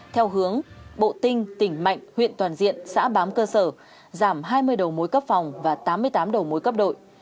theo hướng bộ tinh tỉnh mạnh huyện toàn diện xã bám cơ sở giảm hai mươi đầu mối cấp phòng và tám mươi tám đầu mối cấp đội